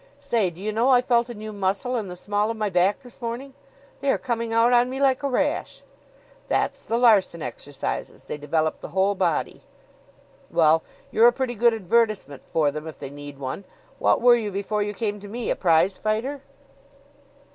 Say, do you know I felt a new muscle in the small of my back this morning? They are coming out on me like a rash." "That's the Larsen Exercises. They develop the whole body." "Well, you're a pretty good advertisement for them if they need one. What were you before you came to me a prize fighter?"